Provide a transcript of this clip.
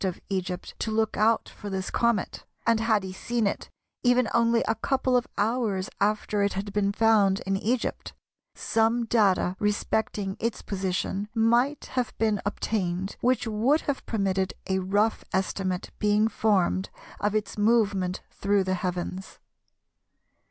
of Egypt to look out for this comet, and had he seen it even only a couple of hours after it had been found in Egypt, some data respecting its position might have been obtained which would have permitted a rough estimate being formed of its movement through the heavens.